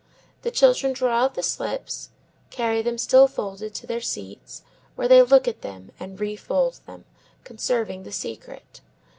The children draw out the slips, carry them still folded, to their seats, where they look at them and refold them, conserving the secret.